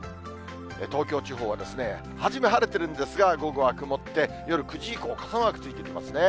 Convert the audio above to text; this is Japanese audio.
東京地方は、初め、晴れてるんですが、午後は曇って、夜９時以降、傘マークついてきますね。